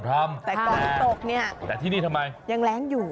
แต่ก่อนตกเนี่ยแต่ที่นี่ทำไมยังแรงอยู่